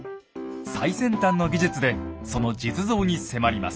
最先端の技術でその実像に迫ります。